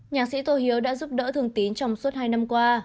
nhạc sĩ tổ hiếu đã giúp đỡ thương tín trong suốt hai năm qua